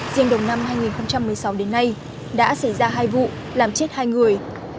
riêng đầu năm hai nghìn một mươi sáu đến nay đã xảy ra hai vụ làm chết hai người